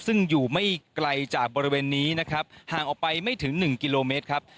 ซึ่งอยู่ไม่ไกลจากบริเวณนี้นะครับห่างออกไปไม่ถึง๑กิโลเมตรครับ